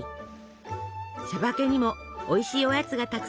「しゃばけ」にもおいしいおやつがたくさん登場。